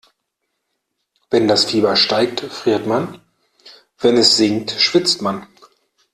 Wenn das Fieber steigt, friert man, wenn es sinkt, schwitzt man.